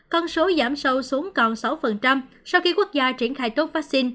con số giảm sâu xuống còn sáu sau khi quốc gia triển khai tốt vaccine